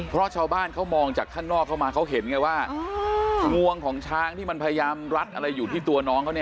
เพราะชาวบ้านเขามองจากข้างนอกเข้ามาเขาเห็นไงว่างวงของช้างที่มันพยายามรัดอะไรอยู่ที่ตัวน้องเขา